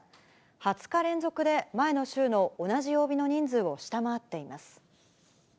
２０日連続で、前の週の同じ曜日の人数を下回っています。